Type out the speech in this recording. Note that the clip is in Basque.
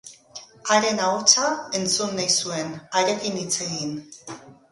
Haren ahotsa entzun nahi zuen, harekin hitz egin.